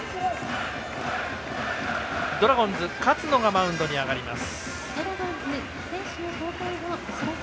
ドラゴンズ、勝野がマウンドに上がります。